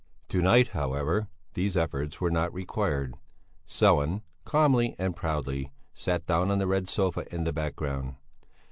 To night, however, these efforts were not required; Sellén, calmly and proudly, sat down on the red sofa in the background.